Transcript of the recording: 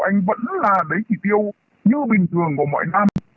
anh vẫn là lấy chỉ tiêu như bình thường của mọi năm